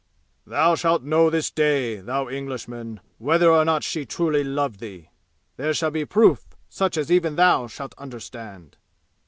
THOU SHALT KNOW THIS DAY, THOU ENGLISHMAN, WHETHER OR NOT SHE TRULY LOVED THEE! THERE SHALL BE PROOF, SUCH AS EVEN THOU SHALT UNDERSTAND!"'